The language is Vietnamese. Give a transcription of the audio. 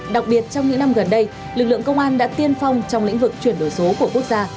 đặc biệt trong những năm gần đây lực lượng công an đã tiên phong trong lĩnh vực chuyển đổi số của quốc gia